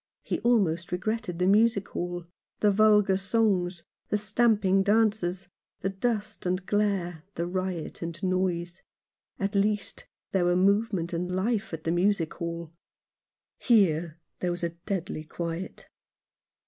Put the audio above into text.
He almost regretted the music hall, the vulgar songs, and stamping dances, the dust and glare, the riot and noise. At least there were movement and life at the music hall. Here, there was a deadly quiet.